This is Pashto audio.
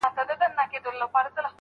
ویل بیا لېوني سوي محتسب او زاهد دواړه